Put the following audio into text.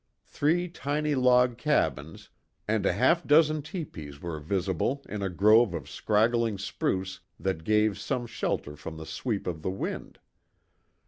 Three tiny log cabins, and a half dozen tepees were visible in a grove of scraggling spruce that gave some shelter from the sweep of the wind.